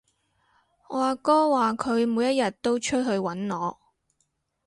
我阿哥話佢每一日都出去搵我